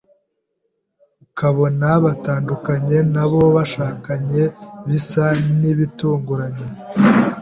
ukabona batandukanye n’abo bashakanye bisa n’ibitunguranye